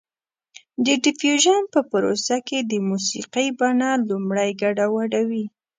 د ډیفیوژن په پروسه کې د موسیقۍ بڼه لومړی ګډه وډه وي